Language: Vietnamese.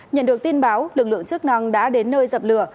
nhận được tin báo lực lượng chức năng đã đến nơi dập lửa